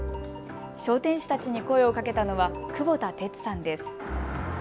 商店主たちに声をかけたのは久保田哲さんです。